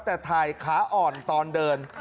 แต่ถ่ายขาอ่อนตอนเดิน